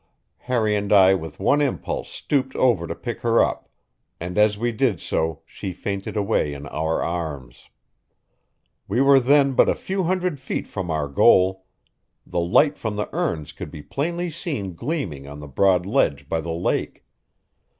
Harry and I with one impulse stooped over to pick her up, and as we did so she fainted away in our arms. We were then but a few hundred feet from our goal; the light from the urns could be plainly seen gleaming on the broad ledge by the lake.